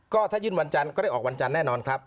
ก็ถ้ายื่นวันจันทร์ก็ได้ออกวันจันทร์แน่นอนครับ